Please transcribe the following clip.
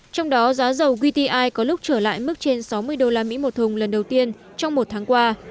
trong đó giá dầu wti có lúc trở lại mức trên sáu mươi usd một thùng lần đầu tiên trong một tháng qua